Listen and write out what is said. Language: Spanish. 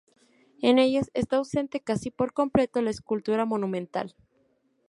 En ellas está ausente casi por completo la escultura monumental.